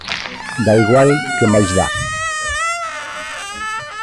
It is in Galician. Dá igual, que máis dá.